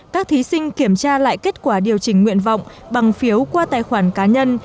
các thí sinh kiểm tra lại kết quả điều chỉnh nguyện vọng bằng phiếu qua tài khoản cá nhân